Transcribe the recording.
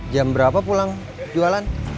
jam berapa pulang jualan